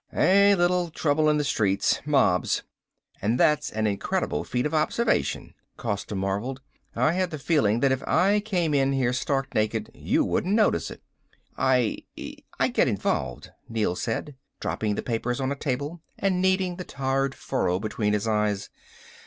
"A little trouble in the streets. Mobs. And that's an incredible feat of observation," Costa marveled. "I had the feeling that if I came in here stark naked, you wouldn't notice it." "I ... I get involved," Neel said. Dropping the papers on a table and kneading the tired furrow between his eyes.